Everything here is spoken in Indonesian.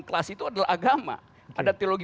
kelas itu adalah agama ada teologi